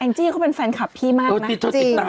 จี้เขาเป็นแฟนคลับพี่มากนะ